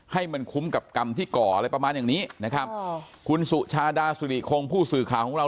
ให้มันคุ้มกับกรรมที่ก่ออะไรประมาณอย่างนี้นะครับคุณสุชาดาสุริคงผู้สื่อข่าวของเรา